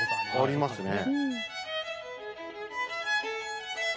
ありますね。